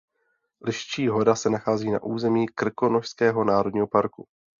Liščí hora se nachází na území Krkonošského národního parku.